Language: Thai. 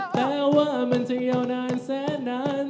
แต่ว่ามันจะยาวนานแสนนาน